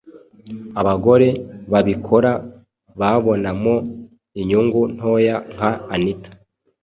abagore babikora babonamo inyungu ntoya nka anita,